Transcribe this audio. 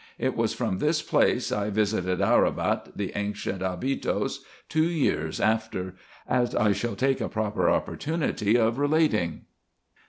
It was from this place I visited Arabat, the ancient Abydos, two years after, as I shall take a proper opportunity of relating.